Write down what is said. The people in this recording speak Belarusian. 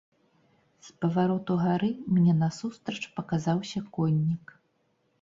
З павароту гары мне насустрач паказаўся коннік.